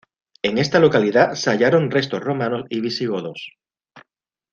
En esta localidad se hallaron restos romanos y visigodos.